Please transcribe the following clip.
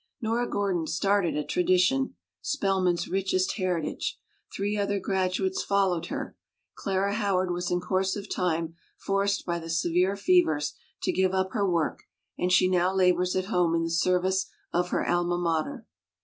Nora Gordon started a tradition, S pel man's richest heritage. Three other gradu ates followed her. Clara Howard was in course of time forced by the severe fevers to give up her work, and she now labors at home in the service of her Alma Mater.